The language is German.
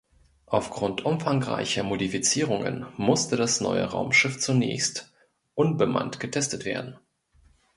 Auf Grund umfangreicher Modifizierungen musste das neue Raumschiff zunächst unbemannt getestet werden.